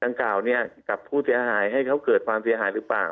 ดังกล่าวเนี่ยกับผู้เสียหายให้เขาเกิดความเสียหายหรือเปล่า